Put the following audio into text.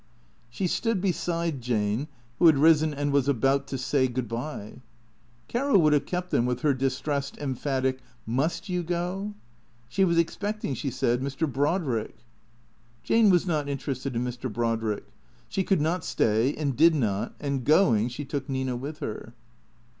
She stood beside Jane, who had risen and was about to say good bye. Caro would have kept them with her distressed, emphatic "Must you go?" She was expecting, she said, Mr. Brodrick. Jane was not interested in Mr. Brodrick. She could not stay and did not, and, going, she took Nina with her.